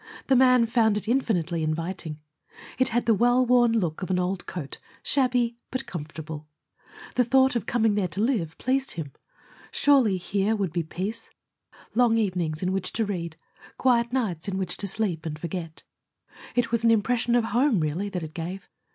The man found it infinitely inviting. It had the well worn look of an old coat, shabby but comfortable. The thought of coming there to live pleased him. Surely here would be peace long evenings in which to read, quiet nights in which to sleep and forget. It was an impression of home, really, that it gave.